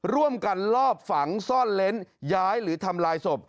ร่วมกันลอบฝังซ่อนเล้นย้ายหรือทำลายศพ